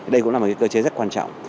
đây cũng là một cơ chế rất quan trọng